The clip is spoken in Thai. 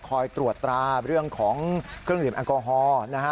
คอยตรวจตราเรื่องของเครื่องดื่มแอลกอฮอล์นะฮะ